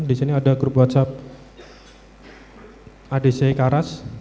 di sini ada grup whatsapp adc karas